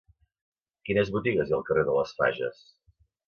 Quines botigues hi ha al carrer de les Fages?